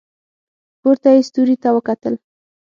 پورته یې ستوري ته وکتل.